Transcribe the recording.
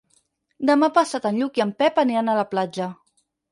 Demà passat en Lluc i en Pep aniran a la platja.